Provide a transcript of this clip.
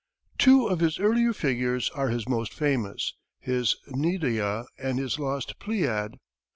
Two of his earlier figures are his most famous, his "Nydia" and his "Lost Pleiad."